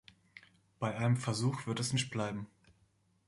Bei einem Versuch wird es nicht bleiben.